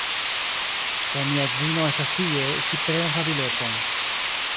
Kaj mia edzino estas tie, ŝi prenas la bileton